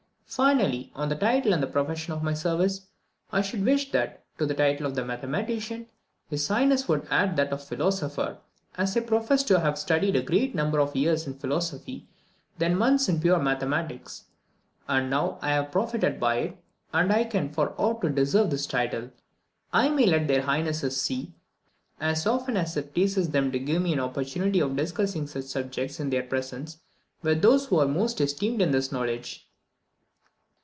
Finally, on the title and profession of my service, I should wish that, to the title of mathematician, his highness would add that of philosopher, as I profess to have studied a greater number of years in philosophy, than months in pure mathematics; and how I have profited by it, and if I can or ought to deserve this title, I may let their highnesses see, as often as it shall please them to give me an opportunity of discussing such subjects in their presence with those who are most esteemed in this knowledge."